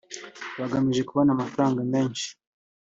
bagamije kubona amafaranga menshi